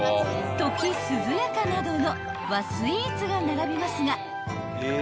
すずやかなどの和スイーツが並びますが］